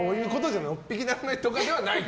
のっぴきならないとかではないと。